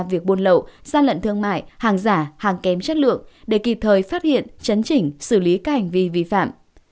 việc buôn lậu gian lận thương mại hàng giả hàng kém chất lượng để kịp thời phát hiện chấn chỉnh xử lý các hành vi vi phạm